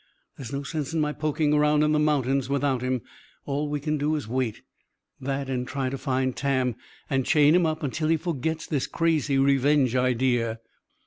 There's no sense in my poking around in the mountains without him. All we can do is wait. That and try to find Tam and chain him up till he forgets this crazy revenge idea."